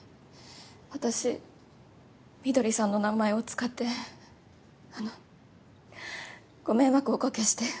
私翠さんの名前を使ってあのご迷惑をおかけして。